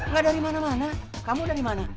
gak dari mana mana kamu dari mana